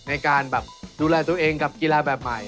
ในการแบบดูแลตัวเองกับกีฬาแบบใหม่